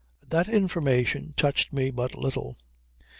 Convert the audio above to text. That information touched me but little.